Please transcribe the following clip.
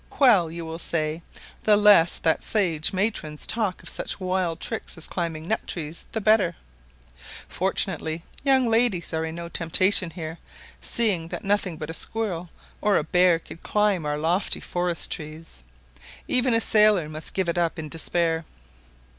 "Well," you will say, "the less that sage matrons talk of such wild tricks as climbing nut trees, the better." Fortunately, young ladies are in no temptation here, seeing that nothing but a squirrel or a bear could climb our lofty forest trees. Even a sailor must give it up in despair.